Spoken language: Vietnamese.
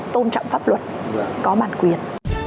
tôn trọng pháp luật có bản quyền